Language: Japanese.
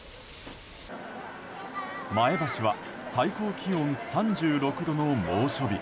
前橋は最高気温３６度の猛暑日。